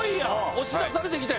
押し出されて来た。